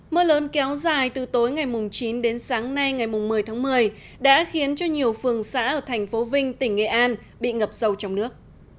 mưa lớn kéo dài từ tối ngày chín đến sáng nay ngày một mươi tháng một mươi đã khiến cho nhiều phường xã ở thành phố vinh tỉnh nghệ an bị ngập sâu trong nước